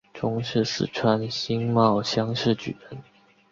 中式四川辛卯乡试举人。